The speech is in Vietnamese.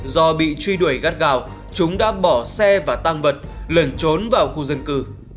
do bị truy đuổi gắt gào chúng đã bỏ xe và tăng vật lẩn trốn vào khu dân cư